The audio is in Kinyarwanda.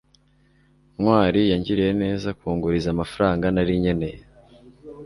ntwali yangiriye neza kunguriza amafaranga nari nkeneye